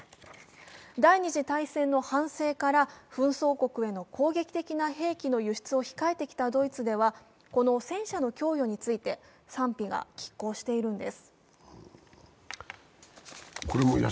第二次大戦の反省から紛争国への攻撃的な兵器の供与を冷えてきたドイツではこの戦車の供与について賛否がきっ抗しているんです。